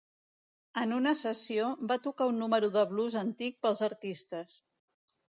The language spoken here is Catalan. En una sessió, va tocar un número de blues antic pels artistes.